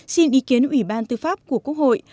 xin ý kiến ủy ban tư pháp của quốc hội